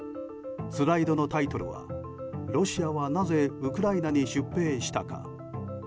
スライドのタイトルは「ロシアはなぜウクライナに出兵したか」。